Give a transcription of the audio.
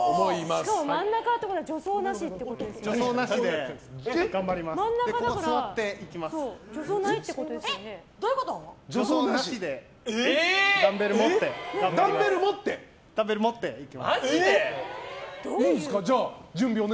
しかも真ん中ってことは助走なしってことですよね。